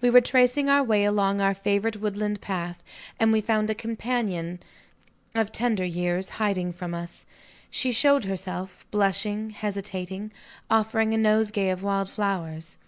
We were tracing our way along our favorite woodland path; and we found a companion of tender years, hiding from us. She showed herself; blushing, hesitating, offering a nosegay of wild flowers.